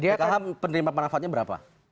pkh penerima manfaatnya berapa